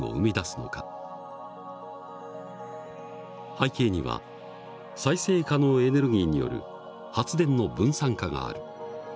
背景には再生可能エネルギーによる発電の分散化がある。